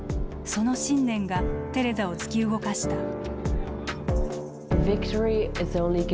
その信念がテレザを突き動かした。